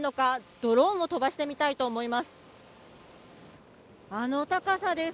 ドローンを飛ばしてみたいと思います。